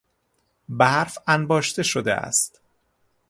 برف انباشته شده است.